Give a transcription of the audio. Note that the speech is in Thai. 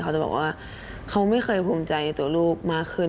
เขาจะบอกว่าเขาไม่เคยภูมิใจในตัวลูกมากขึ้น